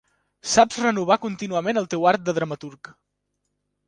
Saps renovar contínuament el teu art de dramaturg